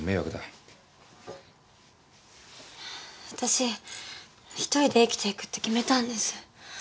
私一人で生きていくって決めたんです。